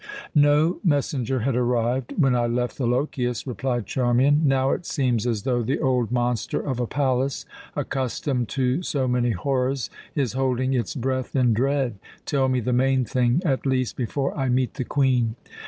"No messenger had arrived when I left the Lochias," replied Charmian. "Now it seems as though the old monster of a palace, accustomed to so many horrors, is holding its breath in dread. Tell me the main thing, at least, before I meet the Queen."